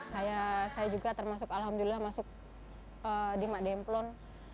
saya juga termasuk alhamdulillah masuk di mak demplon